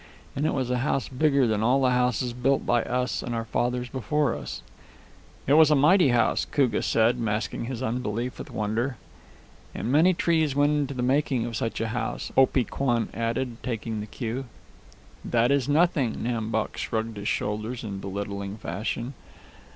And it was a house bigger than all the houses built by us and our fathers before us." "It was a mighty house," Koogah said, masking his unbelief with wonder. "And many trees went into the making of such a house," Opee Kwan added, taking the cue. "That is nothing." Nam Bok shrugged his shoulders in belittling fashion.